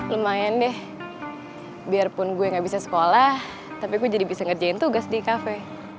lumayan deh biarpun gue gak bisa sekolah tapi aku jadi bisa ngerjain tugas di kafe